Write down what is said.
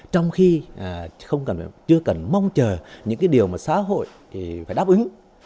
trong khi chưa cần mong chờ những điều mà xã hội phải đáp ứng